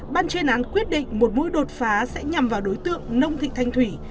ban chuyên án quyết định một mũi đột phá sẽ nhằm vào đối tượng nông thị thanh thủy